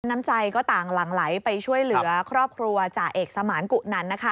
น้ำใจก็ต่างหลั่งไหลไปช่วยเหลือครอบครัวจ่าเอกสมานกุนันนะคะ